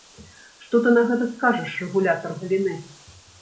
Што ты на гэта скажаш, рэгулятар галіны?